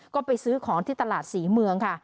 ก็ไปซื้อของที่ตลาดศรีเมืองค่ะ